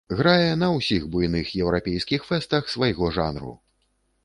Грае на ўсіх буйных еўрапейскіх фэстах свайго жанру!